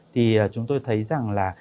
thì chúng tôi thấy rằng là